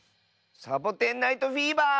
「サボテン・ナイト・フィーバー」！